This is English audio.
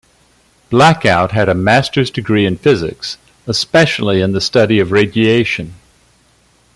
Blackout had a master's degree in physics, especially in the study of radiation.